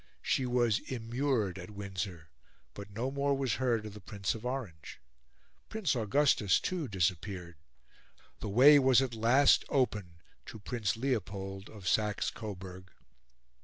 She was immured at Windsor, but no more was heard of the Prince of Orange. Prince Augustus, too, disappeared. The way was at last open to Prince Leopold of Saxe Coburg.